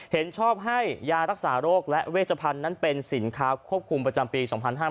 เห็นชอบให้ยารักษาโรคและเวชพันธุ์นั้นเป็นสินค้าควบคุมประจำปี๒๕๕๙